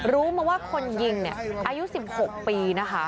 รู้มาว่าคนยิงเนี่ยอายุ๑๔ปี